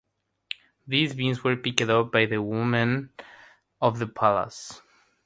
These beans were picked up by the women of the palace.